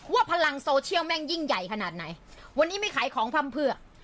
พลังโซเชียลแม่งยิ่งใหญ่ขนาดไหนวันนี้ไม่ขายของพร่ำเผือก